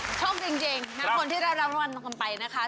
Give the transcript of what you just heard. โอเคชอบจริงทั้งคนที่ได้รางวัลทั้งคนไปนะคะ